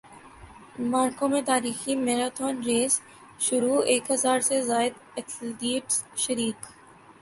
موراکو میں تاریخی marathon race شروع ایک ہزار سے زائد ایتھلیٹس شریک